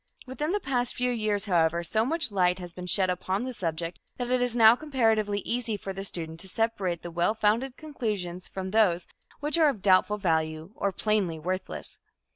Within the past few years, however, so much light has been shed upon the subject that it is now comparatively easy for the student to separate the well founded conclusions from those which are of doubtful value, or plainly worthless.